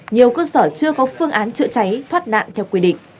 nhiều cơ sở chưa có phương án chữa cháy thoát nạn theo quy định